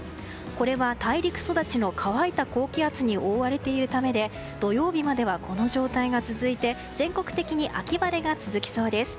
これは大陸育ちの乾いた高気圧に覆われているためで土曜日までは、この状態が続いて全国的に秋晴れが続きそうです。